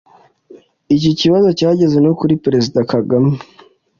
Iki kibazo cyageze no kuri Perezida Kagame